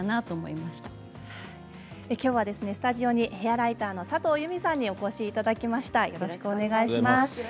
スタジオにヘアライターの佐藤友美さんにお越しいただきました。